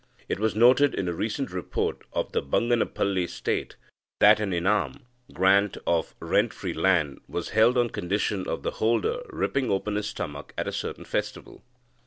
It was noted, in a recent report of the Banganapalle State, that an inam (grant of rent free land) was held on condition of the holder "ripping open his stomach" at a certain festival.